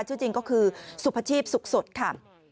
ชื่อจริงก็คือสุพชีพสุขสดค่ะ